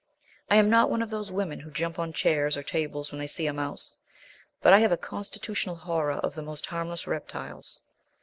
I am not one of those women who jump on chairs or tables when they see a mouse, but I have a constitutional horror of the most harmless reptiles.